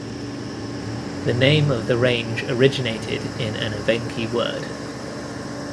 The name of the range originated in an Evenki word.